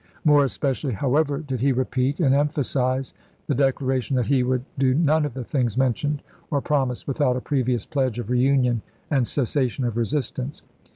More especially, however, did he repeat and emphasize the declaration that he would do none of the things mentioned or promised without a previous pledge of reunion and cessation of resist ance.